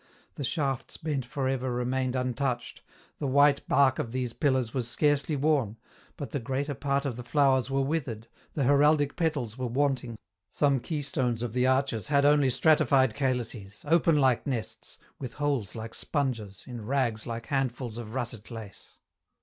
The shafts bent for ever remained untouched, the white bark of these pillars was scarcely worn, but the greater part of the flowers were withered, the heraldic petals were wanting, some keystones of the arches had only stratified EN ROUTE. 25 calices, open like nests, with holes like sponges, in rags like handfuls of russet lace.